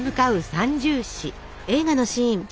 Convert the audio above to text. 「三銃士」。